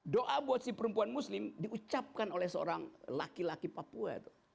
doa buat si perempuan muslim diucapkan oleh seorang laki laki papua